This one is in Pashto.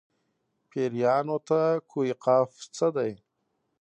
پېریانو ته کوه قاف څه دي.